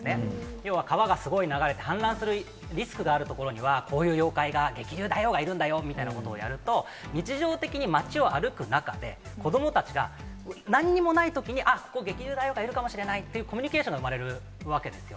要は川がすごい流れて、氾濫するリスクがある所にはこういう妖怪が、激流大王がいるんだよみたいなことをやる、日常的に街を歩く中で、子どもたちが、なんにもないときに、あっ、ここ激流大王がいるかもしれないっていう、コミュニケーションが生まれるわけですよ。